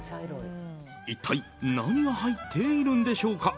一体、何が入っているんでしょうか。